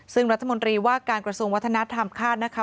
ซึ่งรัฐมนตรีว่าการกระทรวงวัฒนธรรมคาดนะคะ